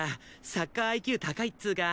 サッカーＩＱ高いっつうか。